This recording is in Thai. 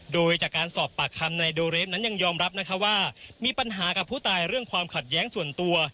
โดยจากการสอบปากคำนายโดเรฟนั้นยังยอมรับนะคะว่ามีปัญหากับผู้ตายเรื่องความขัดแย้งส่วนตัว